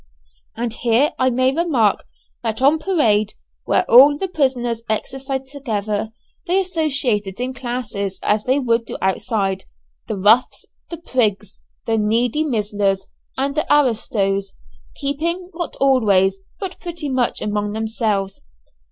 And here I may remark that on parade, where all the prisoners exercised together, they associated in classes as they would do outside the "roughs," the "prigs," the "needy mizzlers," and the "aristoes," keeping, not always, but pretty much among themselves.